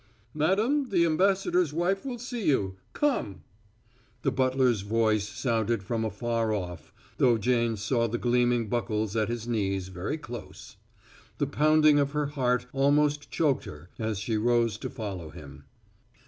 "Madam the ambassador's wife will see you. Come!" The butler's voice sounded from afar off, though Jane saw the gleaming buckles at his knees very close. The pounding of her heart almost choked her as she rose to follow him.